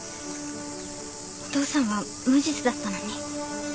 お父さんは無実だったのに。